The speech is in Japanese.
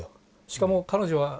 しかも彼女は。